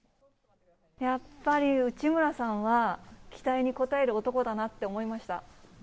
やっぱり、内村さんは期待に応える男だなって思いました。